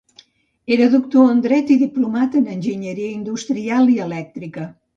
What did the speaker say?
Era doctor en dret i diplomat en enginyeria industrial i elèctrica.